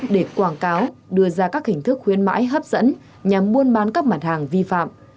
để quảng cáo đưa ra các hình thức khuyến mãi hấp dẫn nhằm buôn bán các mặt hàng vi phạm